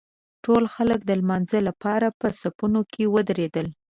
ټول خلک د لمانځه لپاره په صفونو کې ودرېدل.